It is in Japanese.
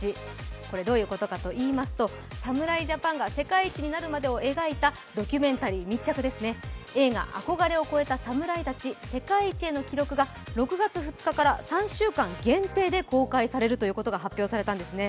これ、どういうことかといいますと侍ジャパンが世界一になるまでを描いたドキュメンタリー、密着ですね、映画「憧れを超えた侍たち」が６月２日から３週間限定で公開されるということが決まったんですね。